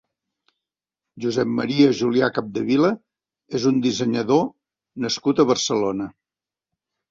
Josep Maria Julià Capdevila és un dissenyador nascut a Barcelona.